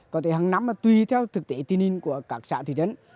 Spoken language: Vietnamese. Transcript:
có thể hằng năm mà tùy theo thực tế tiên ninh của các xã thị trấn